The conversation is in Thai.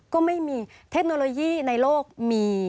ก็ไม่มีเทคโนโลยีในโลกมี